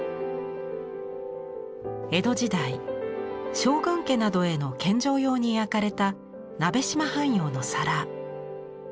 江戸時代将軍家などへの献上用に焼かれた鍋島藩窯の皿。